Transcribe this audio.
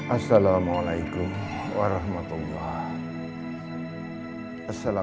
assalamualaikum warahmatullahi wabarakatuh